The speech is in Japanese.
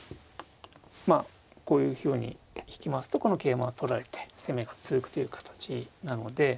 まあこういうふうに引きますとこの桂馬は取られて攻めが続くという形なので。